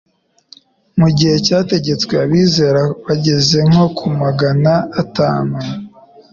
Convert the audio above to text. Mu gihe cyategetswe, abizera bageze nko kuri magana atanu,